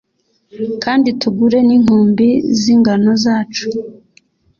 kandi tugure n’inkumbi z’ingano zacu?